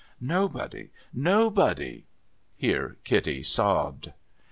Nobody, nobody ! Here Kitty'sobbed.